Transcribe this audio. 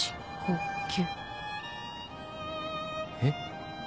えっ。